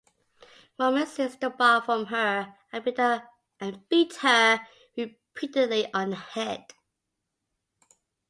Roman seized the bar from her and beat her repeatedly on the head.